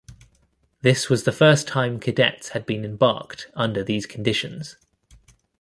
This was the first time cadets had been embarked under these conditions.